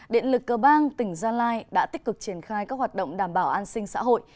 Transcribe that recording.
điện lực cơ bang tỉnh gia lai đã tích cực triển khai các hoạt động đảm bảo an sinh xã hội